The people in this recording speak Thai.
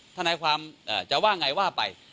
ทนายความจะว่าไงว่าไป